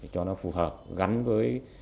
cho nó phù hợp gắn với